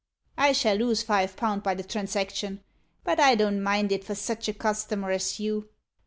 I shall lose five pound by the transaction; but I don't mind it for sich a customer as you.